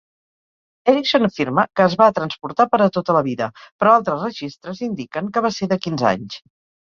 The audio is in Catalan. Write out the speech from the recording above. Erickson afirma que es va transportar per a tota la vida, però altres registres indiquen que va ser de quinze anys.